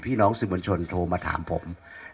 พี่น้องสมชนโทรมาถามผม